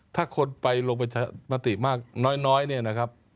ถ้าคนไปลงประชามติมากน้อยเนี่ยนะครับ